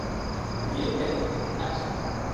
বিয়ের জন্য জিম নাচ শিখবে।